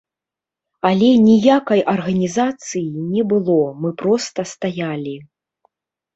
Але ніякай арганізацыі не было, мы проста стаялі.